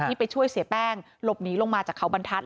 ไปช่วยเสียแป้งหลบหนีลงมาจากเขาบรรทัศน